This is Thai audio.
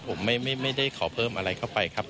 ผมไม่ได้ขอเพิ่มอะไรเข้าไปครับ